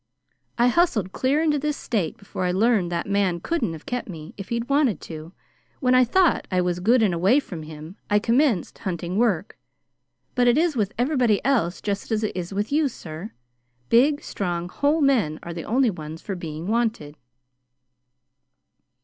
I hustled clear into this State before I learned that man couldn't have kept me if he'd wanted to. When I thought I was good and away from him, I commenced hunting work, but it is with everybody else just as it is with you, sir. Big, strong, whole men are the only ones for being wanted."